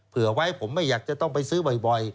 เผื่อไว้ผมไม่อยากจะต้องไปซื้อบ่อย